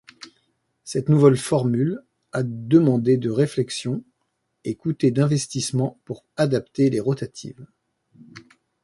Cette nouvelle formule a demandé de réflexion et coûté d'investissement pour adapter les rotatives.